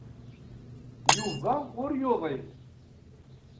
Yuba ur yuḍin.